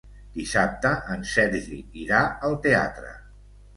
Dissabte en Sergi irà al teatre.